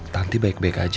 tanti baik baik aja